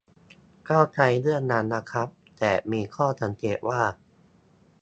เข้าใจเรื่องนั้นนะครับ แต่มีข้อสังเกตว่า